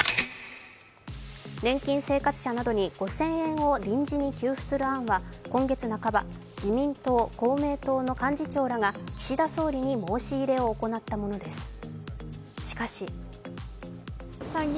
年金生活者などに５０００円を臨時に給付する案は今月半ば、自民党・公明党の幹事長らが岸田総理に申し入れを行ったものです。